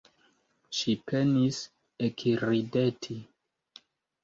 Ŝi penis ekrideti.